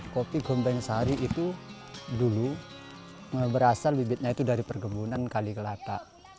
kopi gombeng sari itu dulu berasal bibitnya itu dari perkebunan kali kelata